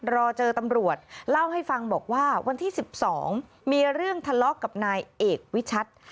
รอเจอตำรวจเล่าให้ฟังบอกว่าวันที่๑๒มีเรื่องทะเลาะกับนายเอกวิชัด